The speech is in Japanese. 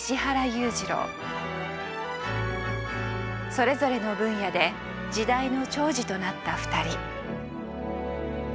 それぞれの分野で時代の寵児となった二人。